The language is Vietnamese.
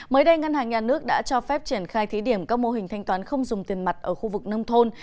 mới đây ngân hàng nhà nước đã cho phép triển khai thí điểm các mô hình thanh toán không dùng tiền mặt ở khu vực nông thôn